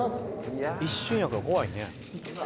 一瞬やから怖いね。